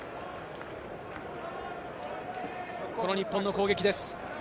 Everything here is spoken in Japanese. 日本の攻撃です。